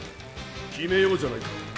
決めようじゃないか。